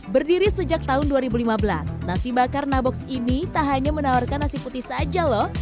berdiri sejak tahun dua ribu lima belas nasi bakar nabox ini tak hanya menawarkan nasi putih saja lho